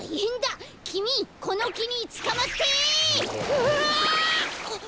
うわ！